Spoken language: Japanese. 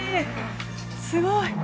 すごい。